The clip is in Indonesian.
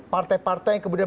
partai partai yang kemudian